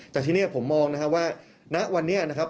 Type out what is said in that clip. แต่ทีนี้ผมมองนะครับว่าณวันนี้นะครับ